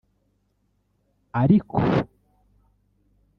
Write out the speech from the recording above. ariko